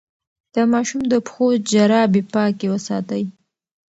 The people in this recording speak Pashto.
د ماشوم د پښو جرابې پاکې وساتئ.